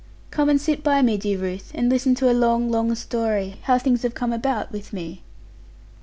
'Come and sit by me, dear Ruth; and listen to a long, long story, how things have come about with me.'